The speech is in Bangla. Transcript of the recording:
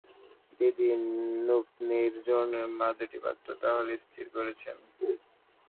দিদি, নৃপ-নীরর জন্যে মা দুটি পাত্র তা হলে স্থির করেছেন?